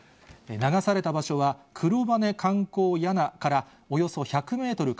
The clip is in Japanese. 流された場所は、黒羽観光やなからおよそ１００メートル